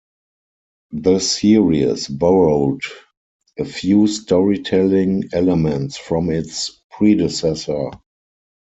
The series borrowed a few storytelling elements from its predecessor.